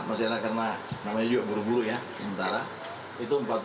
masih ada karena namanya juga buru buru ya sementara itu empat puluh